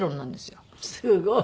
すごい。